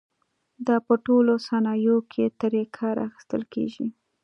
دا په ټولو صنایعو کې ترې کار اخیستل کېږي.